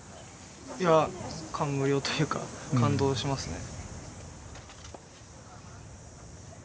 いや感無量というか感動しますね。